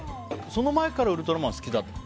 その前から「ウルトラマン」好きだったの？